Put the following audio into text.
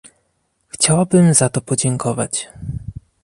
Chciałabym za to podziękować